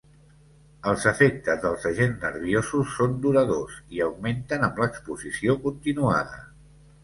Els efectes dels agents nerviosos són duradors i augmenten amb l'exposició continuada.